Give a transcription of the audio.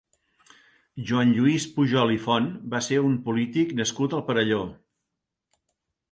Joan Lluís Pujol i Font va ser un polític nascut al Perelló.